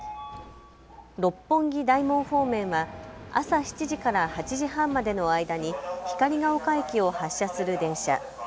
六本木・大門方面は朝７時から８時半までの間に光が丘駅を発車する電車。